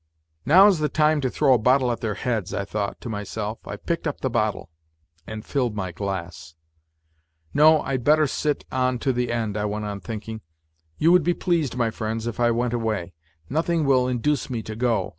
" Now is the time to throw a bottle at their heads," I thought to myself. I picked up the bottle ... and filled my glass. ..." No, I'd better sit on to the end," I went on thinking; " you would be pleased, my friends if I went away. Nothing will induce me to go.